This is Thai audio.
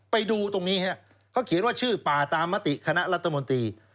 ไปดูตรงนี้ฮะเขาเขียนว่าชื่อป่าตามมติคณะรัฐมนตรี